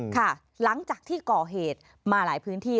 ค่ะหลังจากที่ก่อเหตุมาหลายพื้นที่